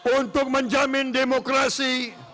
untuk menjamin demokrasi